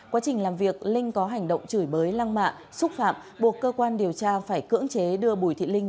quá trình làm việc linh có hành động chửi bới lăng mạ xúc phạm buộc cơ quan điều tra phải cưỡng chế đưa bùi thị linh